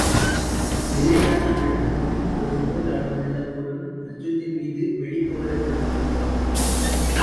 நிலையான அழுத்தத்தில் ஒரு மோல் அளவுள்ள பொருள் மற்றொன்றின்மீது வெளிக்கவரப்படும் வெப்பம்.